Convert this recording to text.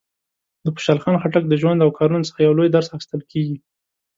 د خوشحال خان خټک د ژوند او کارونو څخه یو لوی درس اخیستل کېږي.